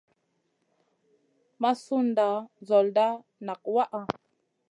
Ma sud nda nzolda nak waʼha.